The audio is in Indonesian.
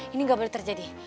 ini gak boleh terjadi